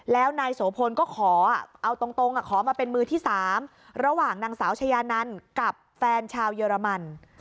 แล้วนายโสพลก็ขอเอาตรงขอมาเป็นมือที่๓ระหว่างนางสาวชายานันกับแฟนชาวเยอรมัน